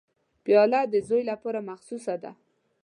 پیاله د زوی لپاره مخصوصه ده.